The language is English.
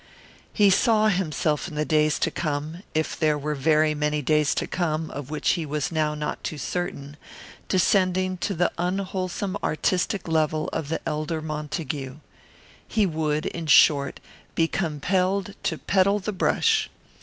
He saw himself in the days to come if there were very many days to come, of which he was now not too certain descending to the unwholesome artistic level of the elder Montague. He would, in short, be compelled to peddle the brush.